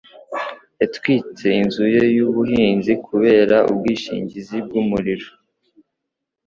Yatwitse inzu ye y'ubuhinzi kubera ubwishingizi bw'umuriro,